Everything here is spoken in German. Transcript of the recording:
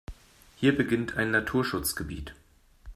Hier beginnt ein Naturschutzgebiet.